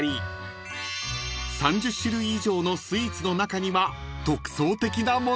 ［３０種類以上のスイーツの中には独創的なものも］